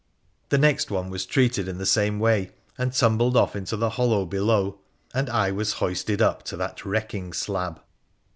The next one was treated in the same way, and tumbled off into the hollow below, and I was hoisted up to that reeking slab.